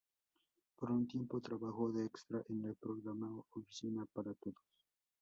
Por un tiempo trabajó de extra en el programa "Oficina para todos".